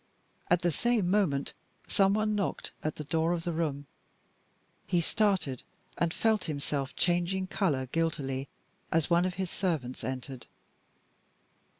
At the same moment, some one knocked at the door of the room. He started, and felt himself changing color guiltily as one of his servants entered.